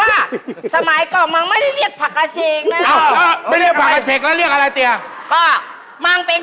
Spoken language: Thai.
เอาผักอาเชกให้เตียง